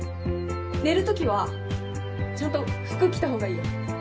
寝るときはちゃんと服着た方がいいよ。